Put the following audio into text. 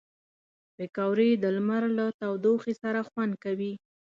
پکورې د لمر له تودوخې سره خوند کوي